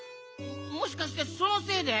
もしかしてそのせいで？